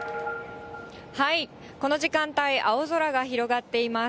この時間帯、青空が広がっています。